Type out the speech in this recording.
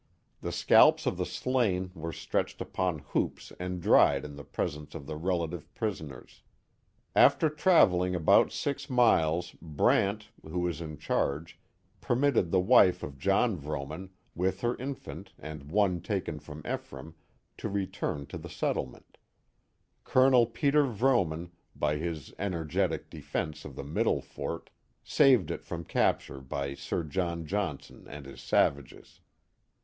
The scalps of the slain were stretched upon hoops and dried in the presence of the relative prisoners. After travelling about six miles Brant, who was in charge, permitted the wife of John Vrooman, with her infant and one taken from Ephraim. to return to the settlement. Col. Peter Vrooman, by his en ergetic defense of the middle fort, saved it from capture by Sir John Johnson and his savages.